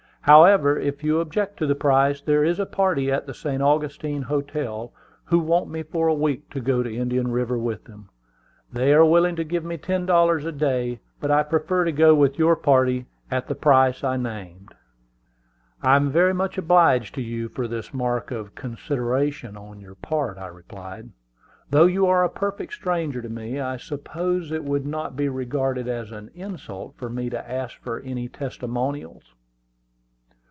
However, if you object to the price, there is a party at the St. Augustine Hotel who want me for a week to go to Indian River with them. They are willing to give me ten dollars a day; but I prefer to go with your party at the price I named." "I am very much obliged to you for this mark of consideration on your part," I replied. "Though you are a perfect stranger to me, I suppose it would not be regarded as an insult for me to ask for any testimonials."